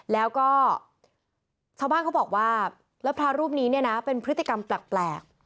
แล้วก็ชาวบ้านเขาบอกว่าแล้วพระรูปนี้เนี่ยนะเป็นพฤติกรรมแปลก